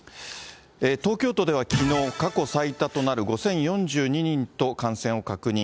東京都ではきのう、過去最多となる５０４２人と感染を確認。